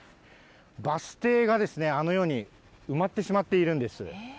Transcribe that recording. バス停がですね、あのように埋まってしまっているんです。